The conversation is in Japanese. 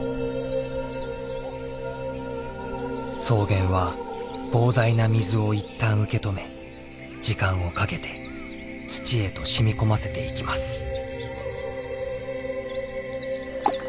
草原は膨大な水を一旦受け止め時間をかけて土へとしみ込ませていきます。